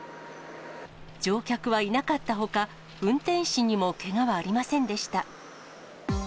乗客はいなかったほか、運転士にもけがはありませんでした。